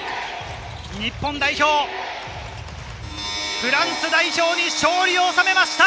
日本代表、フランス代表に勝利を収めました！